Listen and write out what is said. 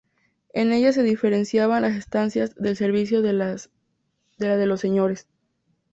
En ellas se diferenciaban las estancias del servicio de las de los señores.